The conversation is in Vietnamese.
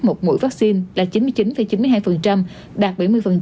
một mũi vaccine là chín mươi chín chín mươi hai đạt bảy mươi